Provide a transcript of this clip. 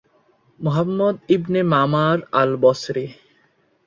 Muhammad ibn Mamar al-Basri